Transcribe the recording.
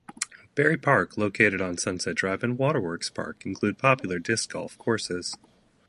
Barrie Park, located on Sunset Drive, and Waterworks Park include popular Disc Golf courses.